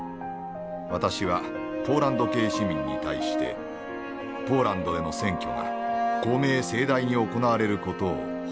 私はポーランド系市民に対してポーランドでの選挙が公明正大に行われる事を保証したいのです。